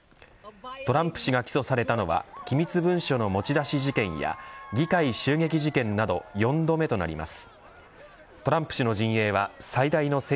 トランプ氏が起訴されたのは機密文書の持ち出し事件や議会襲撃事件など４度目となります。